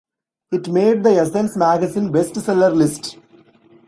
It made the Essence Magazine bestseller list.